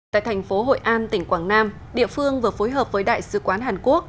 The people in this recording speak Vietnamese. tại thành phố hội an tỉnh quảng nam địa phương vừa phối hợp với đại sứ quán hàn quốc